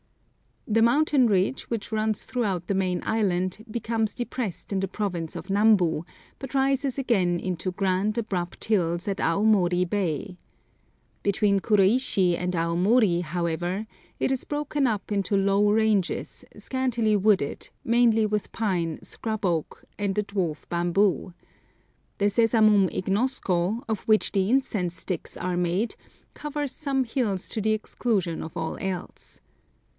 The mountain ridge, which runs throughout the Main Island, becomes depressed in the province of Nambu, but rises again into grand, abrupt hills at Aomori Bay. Between Kuroishi and Aomori, however, it is broken up into low ranges, scantily wooded, mainly with pine, scrub oak, and the dwarf bamboo. The Sesamum ignosco, of which the incense sticks are made, covers some hills to the exclusion of all else.